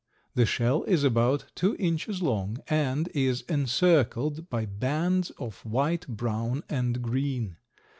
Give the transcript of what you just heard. The shell is about two inches long and is encircled by bands of white, brown and green.